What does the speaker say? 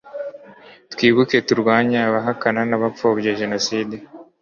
twibuke! turwanye abahakana n'abapfobya jenoside